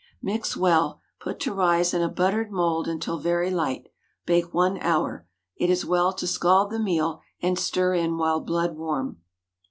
Mix well, put to rise in a buttered mould until very light. Bake one hour. It is well to scald the meal and stir in while blood warm.